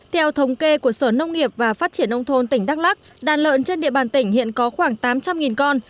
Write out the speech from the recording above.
theo thống kê của sở nông nghiệp và phát triển nông thôn tỉnh đắk lắc đàn lợn trên địa bàn tỉnh hiện có khoảng tám trăm linh con